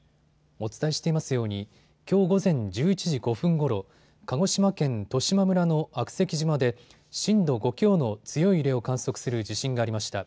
お伝えしていますようにきょう午前１１時５分ごろ、鹿児島県十島村の悪石島で震度５強の強い揺れを観測する地震がありました。